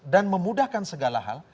dan memudahkan segala hal